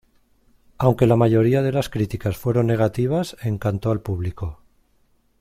Aunque la mayoría de las críticas fueron negativas, encantó al público.